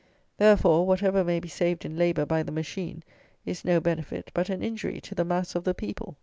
Therefore, whatever may be saved in labour by the machine is no benefit, but an injury to the mass of the people.